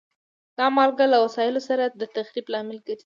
دا مالګه له وسایطو سره د تخریب لامل ګرځي.